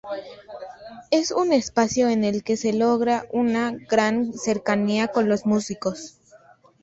Es un espacio en el que se logra una gran cercanía con los músicos.